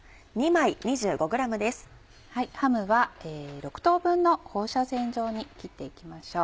ハムは６等分の放射線状に切って行きましょう。